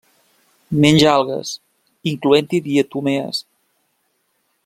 Menja algues, incloent-hi diatomees.